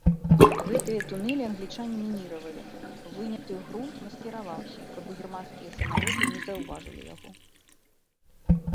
Гэтыя тунэлі англічане мініравалі, выняты грунт маскіраваўся, каб германскія самалёты не заўважылі яго.